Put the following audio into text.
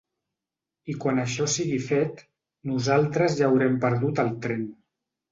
I quan això sigui fet, nosaltres ja haurem perdut el tren.